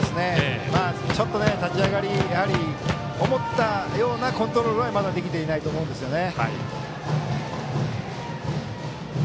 ちょっと立ち上がり思ったようなコントロールはまだできていないと思いますね。